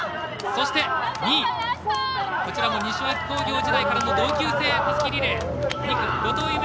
そして、２位、こちらも西脇工業時代からの同級生たすきリレー。